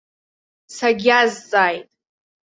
Сагьиазҵааит.